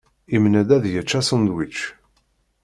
Imenna-d ad yečč asunedwič